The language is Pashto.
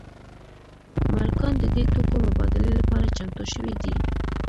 مالکان د دې توکو مبادلې لپاره چمتو شوي دي